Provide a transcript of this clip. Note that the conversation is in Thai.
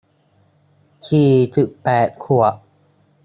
สี่สิบแปดขวด